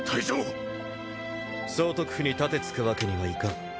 総督府に盾突くわけにはいかん。